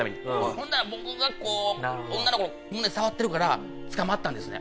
ほんなら僕がこう女の子の胸触ってるから捕まったんですね。